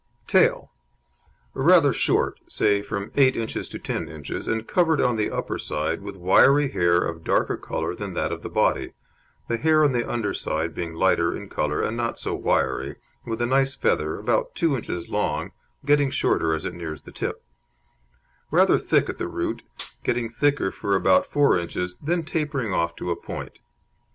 TAIL Rather short, say from eight inches to ten inches, and covered on the upper side with wiry hair of darker colour than that of the body, the hair on the under side being lighter in colour, and not so wiry, with a nice feather, about two inches long, getting shorter as it nears the tip; rather thick at the root, getting thicker for about four inches, then tapering off to a point.